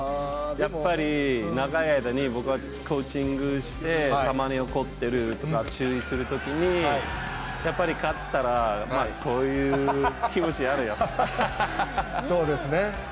やっぱり長い間に僕はコーチングして、たまに怒ってるとか、注意するときに、やっぱり勝ったら、そうですね。